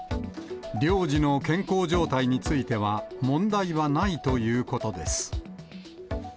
領事の健康状態については、問題はないということです。